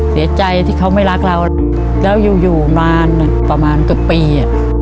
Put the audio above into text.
เสียใจที่เขาไม่รักเราแล้วอยู่นานประมาณเกือบปี